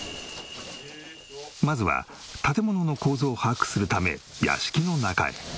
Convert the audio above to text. まずは建物の構造を把握するため屋敷の中へ。